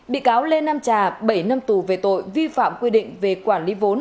bị cáo lê nam trà bảy năm tù về tội vi phạm quy định về quản lý vốn